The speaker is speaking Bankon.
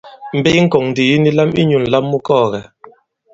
Mbe yi ŋkɔ̀ŋ ndì yi ni lam inyū ǹlam mu kɔɔ̀gɛ̀.